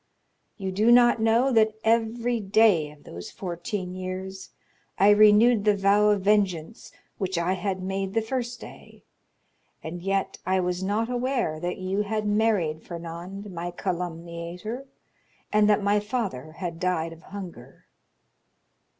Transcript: You do not know that every day of those fourteen years I renewed the vow of vengeance which I had made the first day; and yet I was not aware that you had married Fernand, my calumniator, and that my father had died of hunger!"